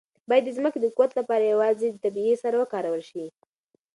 باید د ځمکې د قوت لپاره یوازې طبیعي سره وکارول شي.